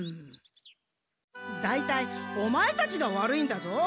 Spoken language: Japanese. だいたいオマエたちが悪いんだぞ。